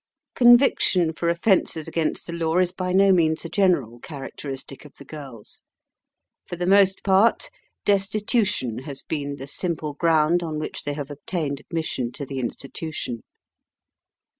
Conviction for offences against the law is by no means a general characteristic of the girls. For the most part, destitution has been the simple ground on which they have obtained admission to the institution.